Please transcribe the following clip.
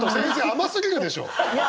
甘すぎるでしょ。